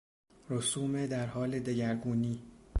رسوم در حال دگرگونی